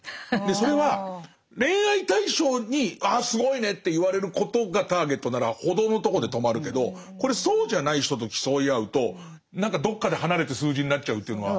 それは恋愛対象に「ああすごいね」って言われることがターゲットならほどほどのところで止まるけどこれそうじゃない人と競い合うと何かどっかで離れて数字になっちゃうっていうのは。